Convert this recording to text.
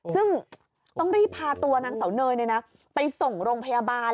ซึ่งต้องรีบพาตัวนางเสาเนยไปส่งโรงพยาบาล